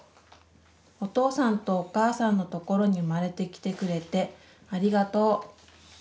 お父さんとお母さんのところに産まれてきてくれてありがとう。